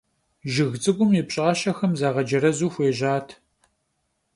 Жыг цӀыкӀухэм я пщӀащэхэм загъэджэрэзу хуежьат.